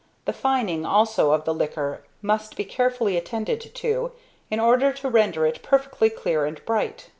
The fining also of the liquor must be carefully attended to, in order to render it perfectly clear and bright.